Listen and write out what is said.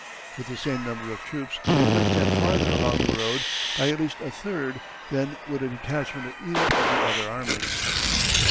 With the same number of troops they will extend further along the road by at least a third than would a detachment of either of the other armies.